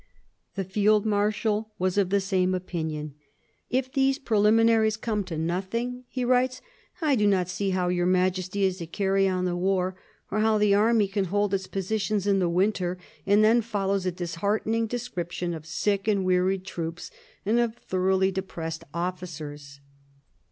The field marshal was of the same opinion. " If these preliminaries come to nothing," he 182 MARIA THERESA chap, viii writes, " I do not see how your Majesty is to carry on the war, or how the army can hold its positions in the winter"; and then follows a disheartening description of sick and wearied troops and of thoroughly depressed officers.